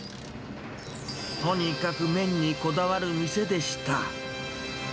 とにかく麺にこだわる店でした。